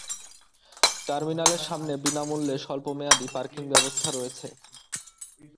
টার্মিনালের সামনে বিনামূল্যে স্বল্পমেয়াদী পার্কিং ব্যবস্থা রয়েছে।